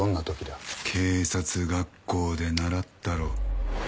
「警察学校で習ったろ」